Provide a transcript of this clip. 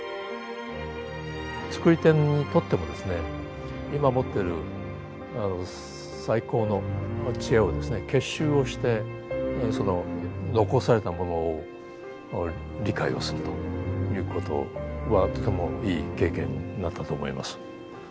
つくり手にとってもですね今持ってる最高の知恵をですね結集をしてその残されたものを理解をするということはとてもいい経験になったと思います。